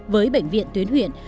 với bệnh viện tuyến huyện